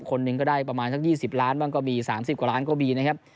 คนหนึ่งก็ได้ประมาณสัก๒๐ล้านบ้างก็มี๓๐กว่าล้านก็มีนะครับ